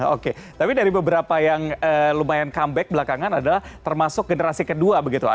oke tapi dari beberapa yang lumayan comeback belakangan adalah termasuk generasi kedua begitu